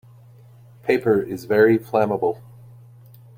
Paper is very flammable.